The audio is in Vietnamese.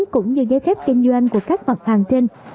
cũng như giấy phép kinh doanh của các mặt hàng trên